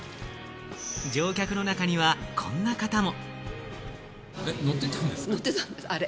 乗客の中には、こんな方も。